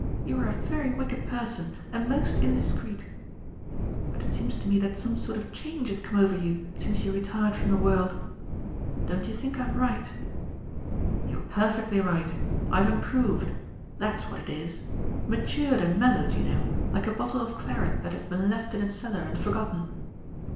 You are a very wicked person and most indiscreet. But it seems to me that some sort of change has come over you since you retired from the world. Don't you think I'm right?" "You're perfectly right. I've improved. That's what it is. Matured and mellowed, you know, like a bottle of claret that has been left in a cellar and forgotten.